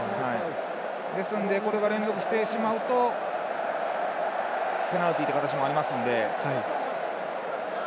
ですのでこれが連続してしまうとペナルティという形もありますので。